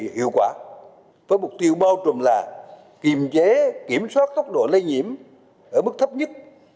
hiệu quả với mục tiêu bao trùm là kiểm soát tốc độ lây nhiễm ở mức thấp nhất